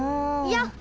よっ！